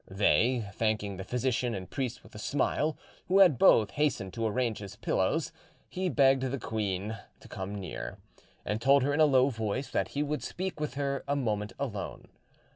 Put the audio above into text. They thanking the physician and priest with a smile, who had both hastened to arrange his pillows, he begged the queen to come near, and told her in a low voice that he would speak with her a moment alone.